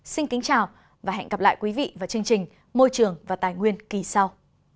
xin kính chào và hẹn gặp lại quý vị vào chương trình môi trường và tài nguyên kỳ sau